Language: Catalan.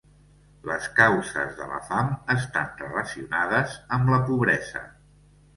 Les causes de la fam estan relacionades amb la pobresa.